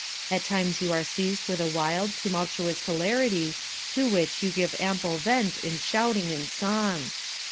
At times you are seized with a wild, tumultuous hilarity to which you give ample vent in shouting and song.